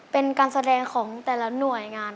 เป็นการแสดงของแต่ละหน่วยงาน